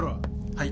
はい。